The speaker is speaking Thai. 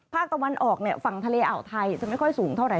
ภาคตะวันออกฝั่งทะเลอ่าวไทยจะไม่ค่อยสูงเท่าไห